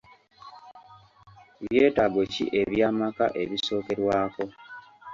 Byetaago ki eby'amaka ebisookerwako?